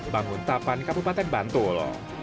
bangun tapan kabupaten bantul